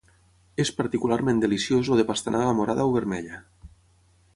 És particularment deliciós el de pastanaga morada o vermella